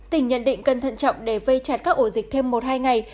tỉnh nhận định cần thận trọng để vây chặt các ổ dịch thêm một hai ngày